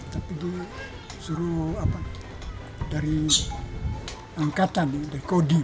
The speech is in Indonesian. tapi itu disuruh dari angkatan dari kodim